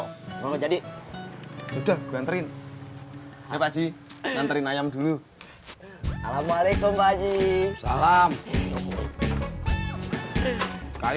kalau nggak jadi udah gua nganterin ya pak aji nganterin ayam dulu alhamdulillah alaikum pak aji